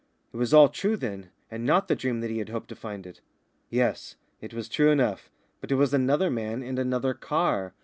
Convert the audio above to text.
It was all true, then, and not the dream that he had hoped to find it. Yes, it was true enough, but it was another man and another car.